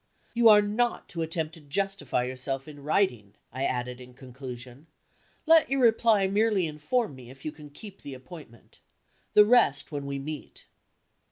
"You are not to attempt to justify yourself in writing," I added in conclusion. "Let your reply merely inform me if you can keep the appointment. The rest, when we meet."